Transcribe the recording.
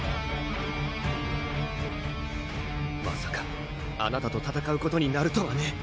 まさかあなたと戦うことになるとはね